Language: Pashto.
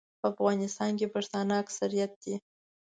په افغانستان کې پښتانه اکثریت دي.